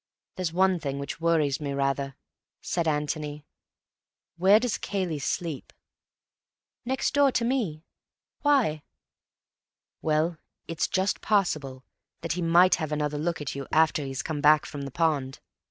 "There's one thing which worries me rather," said Antony. "Where does Cayley sleep?" "Next door to me. Why?" "Well, it's just possible that he might have another look at you after he's come back from the pond.